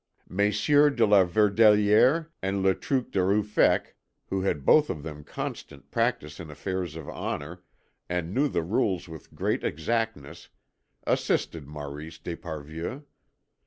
Messieurs de la Verdelière and Le Truc de Ruffec, who had both of them constant practice in affairs of honour and knew the rules with great exactness, assisted Maurice d'Esparvieu.